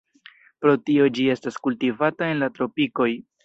Pro tio ĝi estas kultivata en la tropikoj.